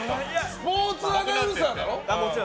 スポーツアナウンサーだろ？